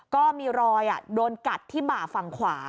ก็มีรอยโดนกัดที่บ่าฝั่งขวา